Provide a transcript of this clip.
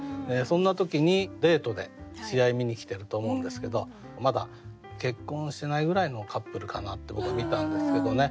そんな時にデートで試合見に来てると思うんですけどまだ結婚してないぐらいのカップルかなって僕は見たんですけどね。